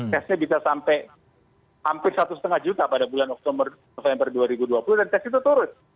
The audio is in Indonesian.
tesnya bisa sampai hampir satu lima juta pada bulan oktober november dua ribu dua puluh dan tes itu turun